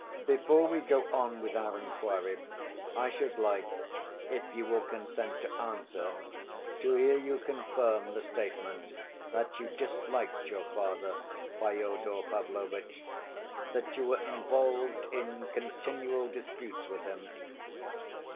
"Before we go on with our inquiry, I should like, if you will consent to answer, to hear you confirm the statement that you disliked your father, Fyodor Pavlovitch, that you were involved in continual disputes with him.